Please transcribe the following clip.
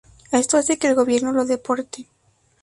Esto hace que el gobierno lo deporte.